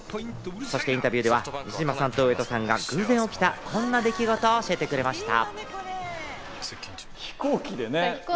インタビューでは西島さんと上戸さんが偶然起きた、こんな出来事を教えてくれました。